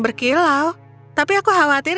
berkilau tapi aku khawatir